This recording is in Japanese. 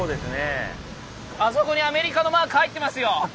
あそこにアメリカのマーク入ってますよ。